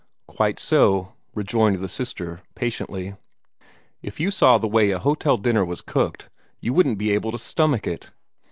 "Quite so," rejoined the sister, patiently. "If you saw the way a hotel dinner was cooked, you wouldn't be able to stomach it.